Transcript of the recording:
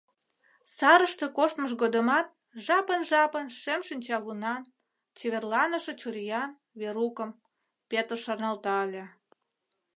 Сарыште коштмыж годымат жапын-жапын шем шинчавунан, чеверланыше чуриян Верукым Пӧтыр шарналта ыле.